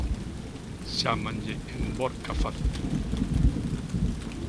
Chámanlle 'envorca fácil'.